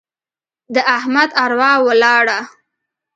د احمد اروا ولاړه.